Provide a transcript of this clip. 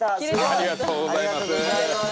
ありがとうございます。